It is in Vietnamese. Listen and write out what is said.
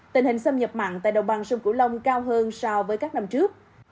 tình hình xâm nhập mặn tại đồng bằng sông cửu long cao hơn so với các năm trước